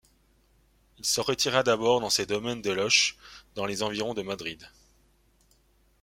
Il se retira d'abord dans ses domaines de Loeches, dans les environs de Madrid.